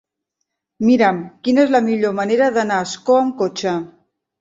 Mira'm quina és la millor manera d'anar a Ascó amb cotxe.